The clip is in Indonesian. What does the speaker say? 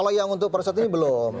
kalau yang untuk perset ini belum